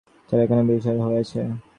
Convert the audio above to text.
মহেন্দ্রের সেখানে বিলক্ষণ পশার হইয়াছে।